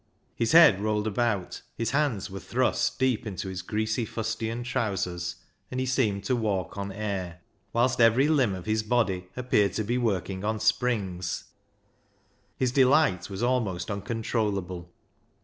His head rolled about, his hands were thrust deep into his greasy fustian trousers, and he seemed to walk on air ; whilst every limb of his body appeared to be working on springs. His delight was almost uncontrollable.